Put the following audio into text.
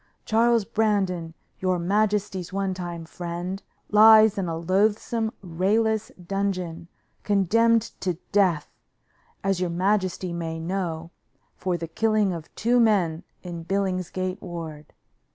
"Charles Brandon, your majesty's one time friend, lies in a loathsome, rayless dungeon, condemned to death, as your majesty may know, for the killing of two men in Billingsgate Ward.